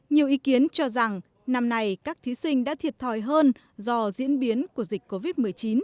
nhiều ý kiến cho rằng năm nay các thí sinh đã thiệt thòi hơn do diễn biến của dịch covid một mươi chín